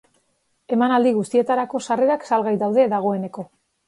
Emanaldi guztietarako sarrerak salgai daude dagoeneko.